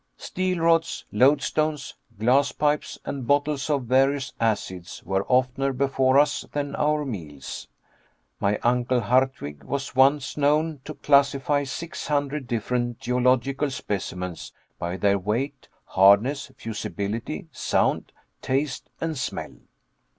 Steel rods, loadstones, glass pipes, and bottles of various acids were oftener before us than our meals. My uncle Hardwigg was once known to classify six hundred different geological specimens by their weight, hardness, fusibility, sound, taste, and smell.